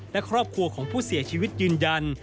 และครอบครัวของผู้เสียชีวิตยืนยัน